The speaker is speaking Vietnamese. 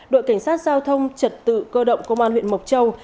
đội cảnh sát giao thông trật tự cơ động công an huyện mộc châu